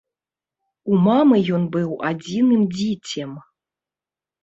У мамы ён быў адзіным дзіцем.